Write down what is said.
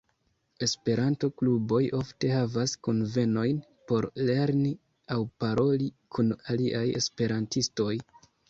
Esperanto-kluboj ofte havas kunvenojn por lerni aŭ paroli kun aliaj esperantistoj.